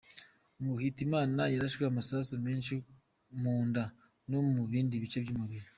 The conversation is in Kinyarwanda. Ngo Hitimana yarashwe amasasu menshi mu nda no mu bindi bice by’ umuriri.